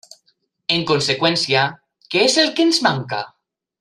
En conseqüència, ¿què és el que ens manca?